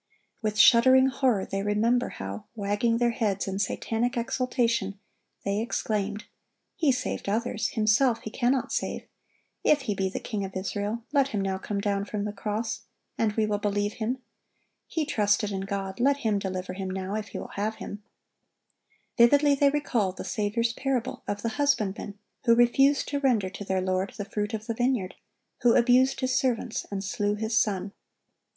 With shuddering horror they remember how, wagging their heads in satanic exultation, they exclaimed: "He saved others; Himself He cannot save. If He be the King of Israel, let Him now come down from the cross, and we will believe Him. He trusted in God; let Him deliver Him now, if He will have Him."(1113) Vividly they recall the Saviour's parable of the husbandmen who refused to render to their lord the fruit of the vineyard, who abused his servants and slew his son.